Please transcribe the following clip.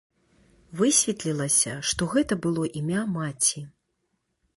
Высветлілася, што гэта было імя маці.